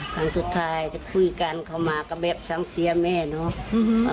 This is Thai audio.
ครั้งสุดท้ายที่คุยกันเข้ามาก็แบบสั่งเสียแม่เนาะ